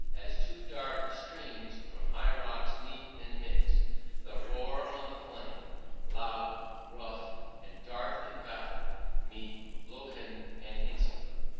As two dark streams from high rocks meet and mix, and roar on the plain: loud, rough, and dark in battle meet Lochlin and Inisfail...